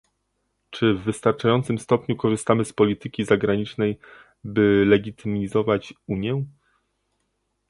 Czy w wystarczającym stopniu korzystamy z polityki zagranicznej, by legitymizować Unię?